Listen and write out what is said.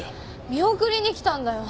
見送りに来たんだよ。